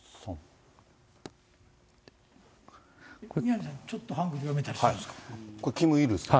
宮根さん、ちょっとハングル読めたりするんですか？